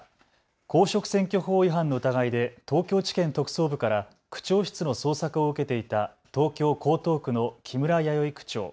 公職選挙法違反の疑いで東京地検特捜部から区長室の捜索を受けていた東京江東区の木村弥生区長。